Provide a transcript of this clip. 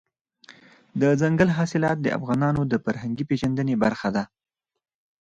دځنګل حاصلات د افغانانو د فرهنګي پیژندنې برخه ده.